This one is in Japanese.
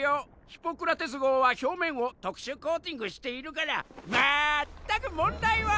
ヒポクラテス号は表面を特殊コーティングしているから全く問題は。